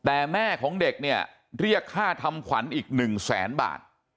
แต่แม่ของเด็กเนี่ยเรียกค่าทำขวัญอีก๑แสนบาท